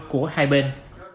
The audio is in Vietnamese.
của hai bên